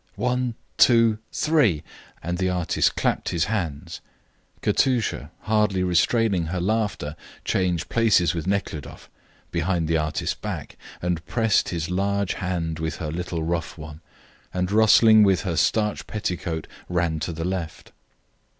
"One, two, three," and the artist clapped his hands. Katusha, hardly restraining her laughter, changed places with Nekhludoff, behind the artist's back, and pressing his large hand with her little rough one, and rustling with her starched petticoat, ran to the left.